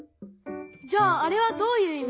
じゃああれはどういういみ？